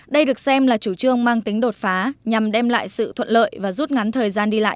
đây được xem là chủ trương mang tính đột phá nhằm đem lại sự thuận lợi và rút ngắn thời gian đi lại